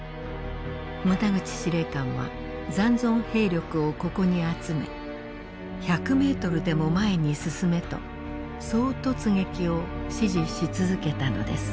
牟田口司令官は残存兵力をここに集め「１００メートルでも前に進め」と総突撃を指示し続けたのです。